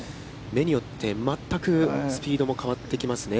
目によって、全くスピードも変わってきますね。